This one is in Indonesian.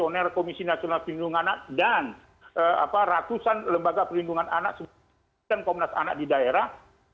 komisioner komisi nasional perlindungan anak dan ratusan lembaga perlindungan anak sebagai komnas anak di daerah